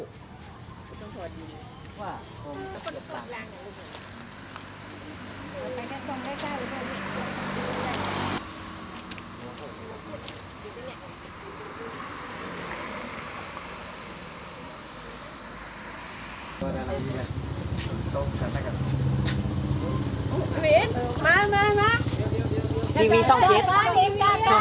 ตอนนี้ก็ไม่มีเวลามาเที่ยวกับเวลาเที่ยวกับเวลาเที่ยวกับเวลา